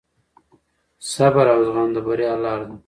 صبر او زغم د بریا لار ده.